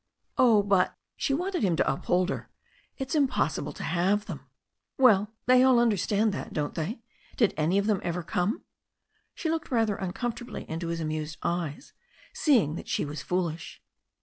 "Oh, but" — she wanted him to uphold her — ^"it's impossi ble to have them." "Well, they all imderstand that, don't they? Did any of them ever come?" She looked rather uncomfortably into his amused eyes, seeing that she was foolish.